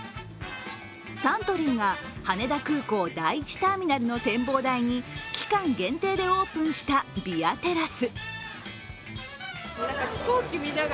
サントリーが羽田空港第１ターミナルの展望台に期間限定でオープンしたビアテラス。